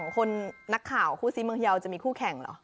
คนนักข่าวคู่ซีเมืองพยาวจะมีคู่แข่งเหรอ